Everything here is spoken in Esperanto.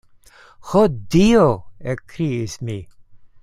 Ho Dio! ekkriis mi.